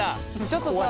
ちょっとさ